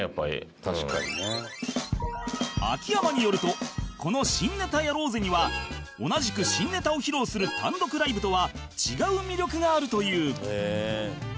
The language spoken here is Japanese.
秋山によるとこの「新ネタやろうぜ！」には同じく新ネタを披露する単独ライブとは違う魅力があるという